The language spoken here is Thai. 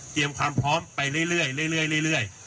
เตรียมความพร้อมไปเรื่อย